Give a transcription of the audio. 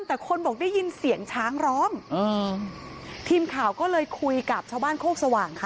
แต่คนบอกได้ยินเสียงช้างร้องอืมทีมข่าวก็เลยคุยกับชาวบ้านโคกสว่างค่ะ